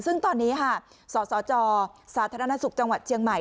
ซึ่งตอนนี้ค่ะสสจสาธารณสุขจังหวัดเชียงใหม่